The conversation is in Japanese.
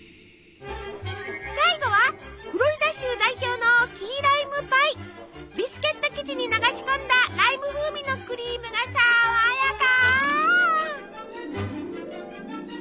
最後はフロリダ州代表のビスケット生地に流し込んだライム風味のクリームが爽やか！